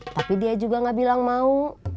tapi dia juga gak bilang mau